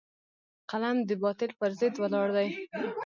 قلم د باطل پر ضد ولاړ دی